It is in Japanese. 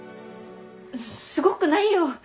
すごくないよ。